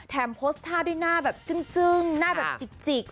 โพสต์ท่าด้วยหน้าแบบจึ้งหน้าแบบจิก